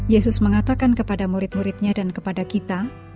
yesus mengatakan kepada murid muridnya dan kepada kita